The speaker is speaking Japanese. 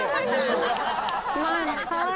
かわいい。